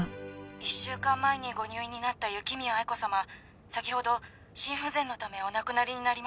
「１週間前にご入院になった雪宮愛子様先ほど心不全のためお亡くなりになりました」